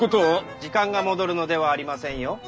時間が戻るのではありませんよ。